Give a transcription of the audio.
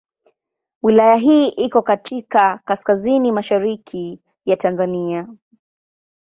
Wilaya hii iko katika kaskazini mashariki ya Tanzania.